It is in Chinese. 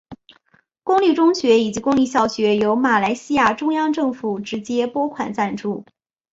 公立中学以及公立小学由马来西亚中央政府直接拨款赞助。